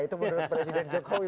itu menurut presiden jokowi